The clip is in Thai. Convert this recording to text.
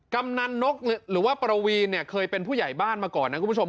กำนันนกหรือว่าประวีนเนี่ยเคยเป็นผู้ใหญ่บ้านมาก่อนนะคุณผู้ชม